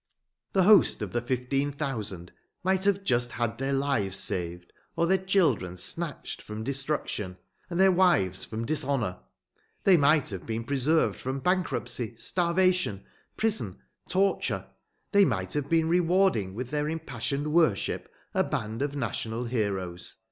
The host of the fifteen thousand might have just had their lives saved, or their children snatched from destruction and their wives from dishonour; they might have been preserved from bankruptcy, starvation, prison, torture; they might have been rewarding with their impassioned worship a band of national heroes.